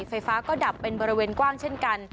ไฟฟ้าก็ดับเป็นบริเวณกว้างเช่นกัน